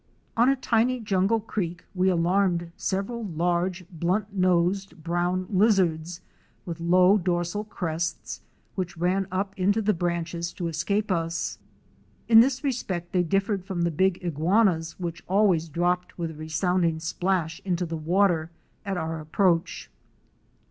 On a tiny jungle creek we alarmed several large, blunt nosed brown lizards, with low dorsal crests, which ran up into the branches to escape us. In this respect they dif fered from the big, iguanas which always dropped with a resounding splash into the water at our approach.